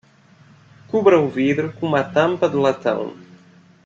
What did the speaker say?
Cubra o vidro com uma tampa de latão.